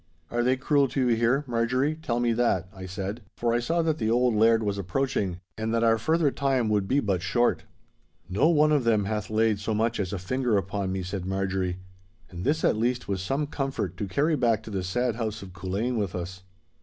'Are they cruel to you here, Marjorie, tell me that?' I said, for I saw that the old Laird was approaching, and that our further time would be but short. 'No one of them hath laid so much as a finger upon me!' said Marjorie. And this at least was some comfort to carry back to the sad house of Culzean with us.